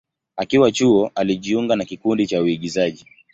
Akiwa chuo, alijiunga na kikundi cha uigizaji.